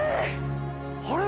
あれ？